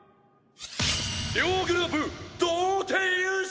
両グループ同点優勝！